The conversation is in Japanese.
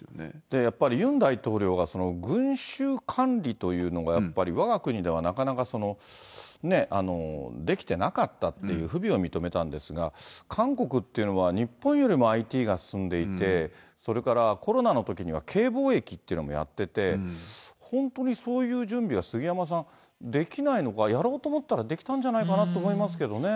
やっぱりユン大統領が、群衆管理というのがやっぱり、わが国ではなかなかできてなかったっていう不備を認めたんですが、韓国っていうのは、日本よりもＩＴが進んでいて、それからコロナのときにはＫ防疫っていうのもやってて、本当にそういう準備が、杉山さん、できないのか、やろうと思ったらできたんじゃないかなって思いますけどね。